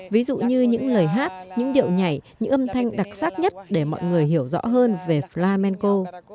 ví dụ như những lời hát những điệu nhảy những âm thanh đặc sắc nhất để mọi người hiểu rõ hơn về flamenco